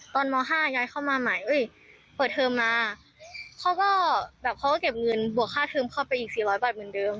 ม๕ย้ายเข้ามาใหม่เปิดเทอมมาเขาก็แบบเขาก็เก็บเงินบวกค่าเทิมเข้าไปอีก๔๐๐บาทเหมือนเดิม